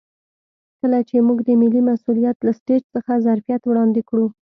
کله چې موږ د ملي مسوولیت له سټیج څخه ظرفیت وړاندې کړو.